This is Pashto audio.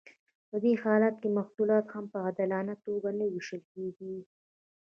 په دې حالت کې محصولات هم په عادلانه توګه نه ویشل کیږي.